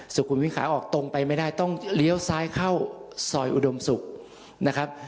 สุขุมวิขาออกตรงไปไม่ได้ต้องเลี้ยวซ้ายเข้าซอยอุดมศุกร์นะครับ